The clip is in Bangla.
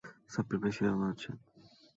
সাব্বির ভাই সিনেমা বানাচ্ছে।